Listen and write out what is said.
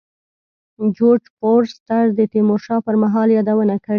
جورج فورستر د تیمور شاه پر مهال یادونه کړې.